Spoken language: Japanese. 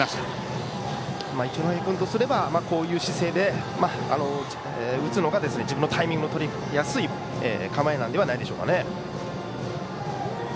一ノ戸君とすればこういう姿勢で打つのが自分のタイミングのとりやすい構えなのではないでしょうかね。